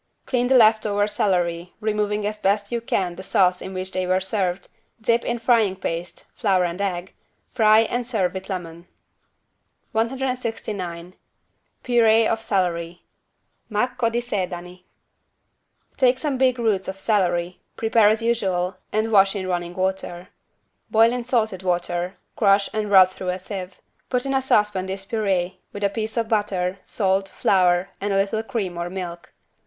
Clean the left over celery removing as best you can the sauce in which they were served, dip in frying paste (flour and egg) fry and serve with lemon. 169 PURÉE OF CELERY (Macco di sedani) Take some big roots of celery, prepare as usual and wash in running water. Boil in salted water, crush and rub through a sieve. Put in a saucepan this purée, with a piece of butter, salt, flour and a little cream or milk.